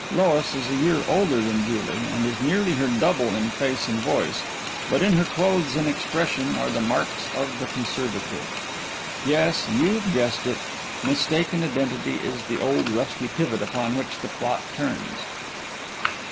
_ LOIS is a year older than JULIE _and is nearly her double in face and voice, but in her clothes and expression are the marks of the conservative. Yes, you've guessed it. Mistaken identity is the old rusty pivot upon which the plot turns.